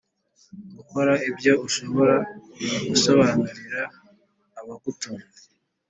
gukora ibyo ushobora gusobanurira abagutumye,